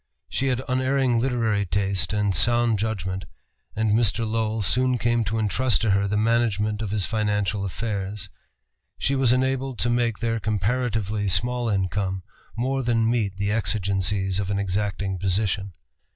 She had unerring literary taste and sound judgment, and Mr. Lowell soon came to entrust to her the management of his financial affairs. She was enabled to make their comparatively small income more than meet the exigencies of an exacting position.